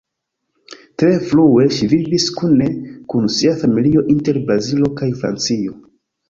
Tre frue, ŝi vivis kune kun sia familio inter Brazilo kaj Francio.